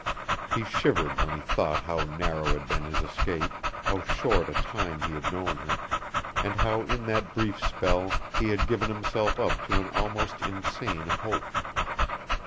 He shivered when he thought how narrow had been his escape, how short a time he had known her, and how in that brief spell he had given himself up to an almost insane hope.